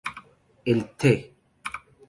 El Tte.